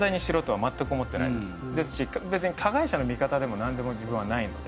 別に加害者の味方でもなんでも自分はないので。